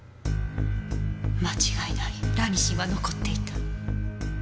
間違いないラニシンは残っていた